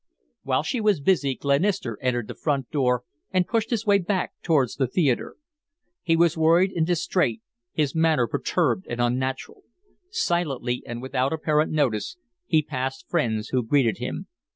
While she was busy, Glenister entered the front door and pushed his way back towards the theatre. He was worried and distrait, his manner perturbed and unnatural. Silently and without apparent notice he passed friends who greeted him.